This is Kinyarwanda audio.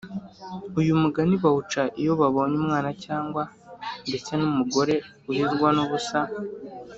uyu mugani bawuca iyo babonye umwana cyangwa ndetse n'umugore urizwa n'ubusa